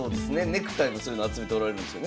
ネクタイもそういうの集めておられるんですよね。